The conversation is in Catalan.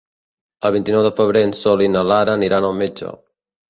El vint-i-nou de febrer en Sol i na Lara aniran al metge.